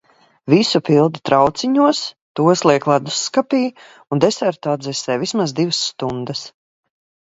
Visu pilda trauciņos, tos liek ledusskapī un desertu atdzesē vismaz divas stundas.